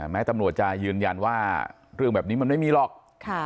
แม้ตำรวจจะยืนยันว่าเรื่องแบบนี้มันไม่มีหรอก